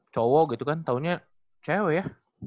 cowok gitu kan tahunya cewek ya